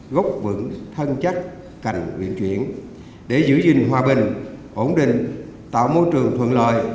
gốc vững thân chắc cành viễn chuyển để giữ gìn hòa bình ổn định tạo môi trường thuận lợi